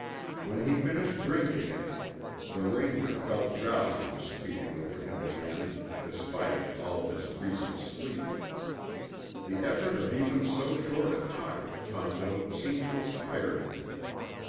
When he finished drinking it, the Ranger felt drowsiness creeping over him again despite all of his recent sleep. The effort of even so short a talk with Tonto seemed to have tired him.